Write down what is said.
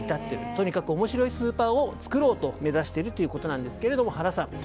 とにかく面白いスーパーを作ろうと目指しているということですが原さん